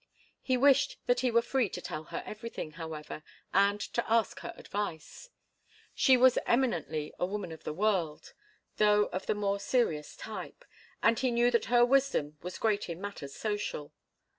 He wished that he were free to tell her everything, however, and to ask her advice. She was eminently a woman of the world, though of the more serious type, and he knew that her wisdom was great in matters social.